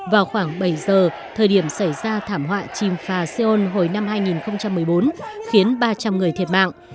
vào khoảng bảy giờ thời điểm xảy ra thảm họa chìm phà seoul hồi năm hai nghìn một mươi bốn khiến ba trăm linh người thiệt mạng